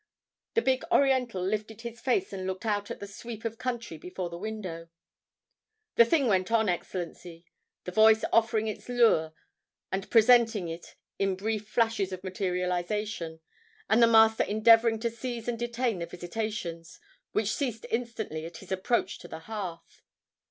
The big Oriental lifted his face and looked out at the sweep of country before the window. "The thing went on, Excellency, the voice offering its lure, and presenting it in brief flashes of materialization, and the Master endeavoring to seize and detain the visitations, which ceased instantly at his approach to the hearth."